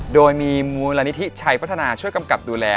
โดยมีมูลนิธิชัยพัฒนาช่วยกำกับดูแล